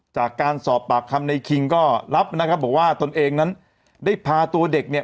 จากการสอบปากคำในคิงก็รับนะครับบอกว่าตนเองนั้นได้พาตัวเด็กเนี่ย